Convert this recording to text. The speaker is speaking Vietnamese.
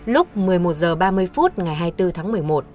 lúc một mươi một h ba mươi phút ngày hai mươi bốn tháng một mươi một